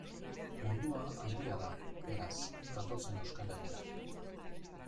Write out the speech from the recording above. Mundua handia da, beraz, gatozen Euskal Herrira.